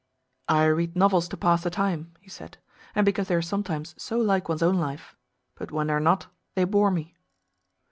"I read novels to pass the time," he said, "and because they are sometimes so like one's own life. But when they are not, they bore me."